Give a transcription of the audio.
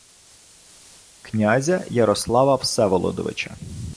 князя Ярослава Всеволодовича